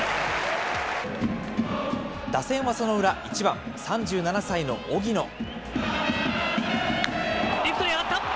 打線はその裏、１番、３７歳の荻レフトに上がった。